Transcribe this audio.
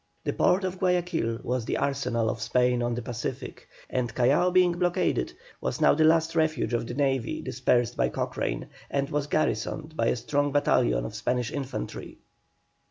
The port of Guayaquil was the arsenal of Spain on the Pacific, and, Callao being blockaded, was now the last refuge of the navy dispersed by Cochrane, and was garrisoned by a strong battalion of Spanish infantry.